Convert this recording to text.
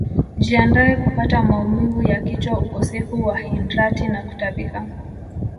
Jiandae kupata maumivu ya kichwa ukosefu wa hidrati na kutapika